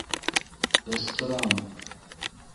Ыстырам!